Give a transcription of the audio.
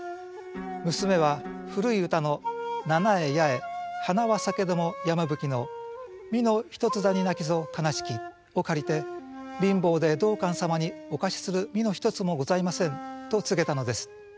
娘は古い歌の「七重八重花は咲けども山吹の実の一つだになきぞかなしき」を借りて貧乏で道灌様にお貸しする蓑一つもございませんと告げたのです。